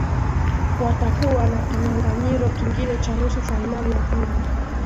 watakua na kinyanganyiro kingine cha nusu fainali ya pili